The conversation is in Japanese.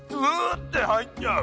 ッて入っちゃう。